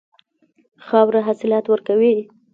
خاوره حاصلات ورکوي.